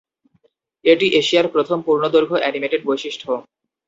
এটি এশিয়ার প্রথম পূর্ণ দৈর্ঘ্য অ্যানিমেটেড বৈশিষ্ট্য।